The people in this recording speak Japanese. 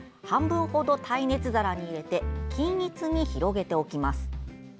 半分ほど耐熱皿に入れて均一に広げておきます。